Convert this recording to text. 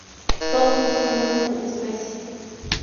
Todos son sinónimos de la especie.